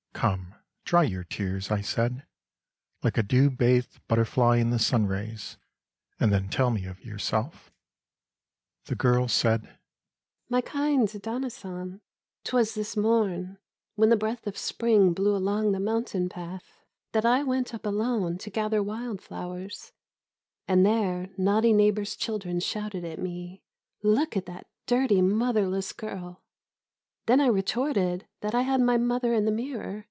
Come, dry your tears,' I said, * Like a dew bathed butterfly in the sun rays, And then tell me of yourself/ The girl said :* My kind Danna San, 'twas this mom When the breath of Spring blew along the mountain path, That I went up alone to gather wild flowers, And there naughty neighbour's children shouted at me :" Look at that dirty motherless girl !" Then I retorted that I had my mother in the mirror.